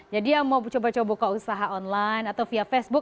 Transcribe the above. jadi yang mau coba coba ke usaha online atau via facebook